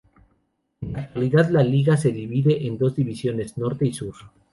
En la actualidad la liga se divide en dos divisiones, Norte y Sur.